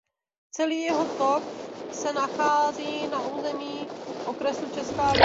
Celý jeho tok se nachází na území okresu Česká Lípa.